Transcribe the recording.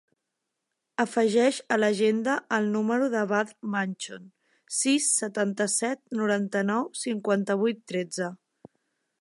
Afegeix a l'agenda el número del Badr Manchon: sis, setanta-set, noranta-nou, cinquanta-vuit, tretze.